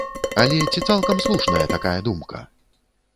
Але ці цалкам слушная такая думка?